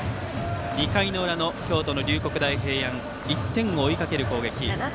２回裏、京都の龍谷大平安１点を追いかける攻撃。